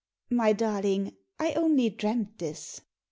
My darling, I only dreamt this.